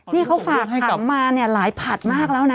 นี่เขาฝากขังมาเนี่ยหลายผัดมากแล้วนะ